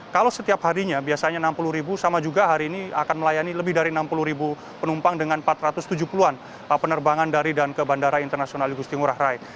kalau setiap harinya biasanya enam puluh ribu sama juga hari ini akan melayani lebih dari enam puluh ribu penumpang dengan empat ratus tujuh puluh an penerbangan dari dan ke bandara internasional igusti ngurah rai